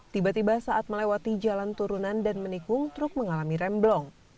tiba tiba saat melewati jalan turunan dan menikung truk mengalami remblong